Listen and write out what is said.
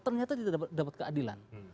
ternyata tidak dapat keadilan